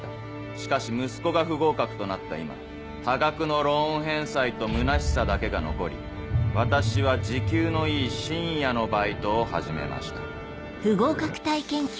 しかし息子が不合格となった今多額のローン返済とむなしさだけが残り私は時給のいい深夜のバイトを始めました」。